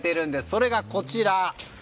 それがこちら。